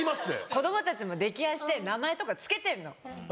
子供たちも溺愛して名前とか付けてんの。